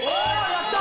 やった！